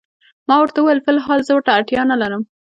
ما ورته وویل: فی الحال زه ورته اړتیا نه لرم.